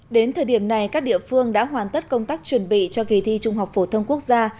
đến thời điểm này các địa phương đã hoàn tất công tác chuẩn bị cho kỳ thi trung học phổ thông quốc gia